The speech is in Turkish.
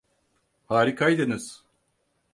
Harikaydınız.